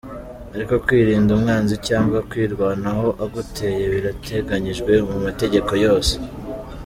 Ariko kwirinda umwanzi cyangwa kwirwanaho aguteye birateganyijwe mu mategeko yose.